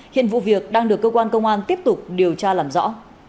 hiện vụ việc đang được cơ quan công an tiếp tục điều tra làm rõ